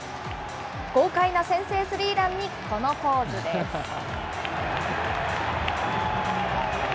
豪快な先制スリーランに、このポーズです。